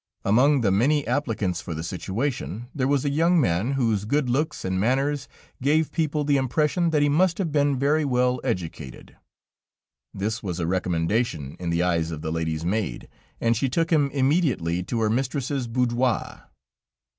Among the many applicants for the situation, there was a young man, whose good looks and manners gave people the impression that he must have been very well educated. This was a recommendation in the eyes of the lady's maid, and she took him immediately to her mistress's boudoir.